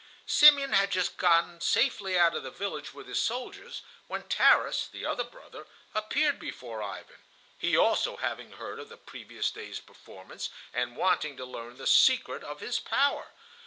Simeon had just gotten safely out of the village with his soldiers when Tarras, the other brother, appeared before Ivan—he also having heard of the previous day's performance and wanting to learn the secret of his power.